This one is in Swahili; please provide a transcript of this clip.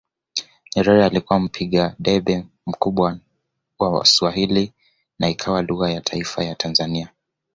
Nyerere alikuwa mpiga debe mkubwa wa Swahili na ikawa lugha ya taifa ya Tanzania